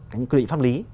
cái quy định pháp lý